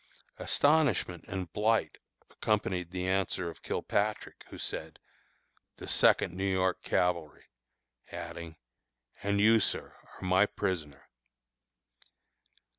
Astonishment and blight accompanied the answer of Kilpatrick, who said, "The Second New York Cavalry," adding, "and you, sir, are my prisoner."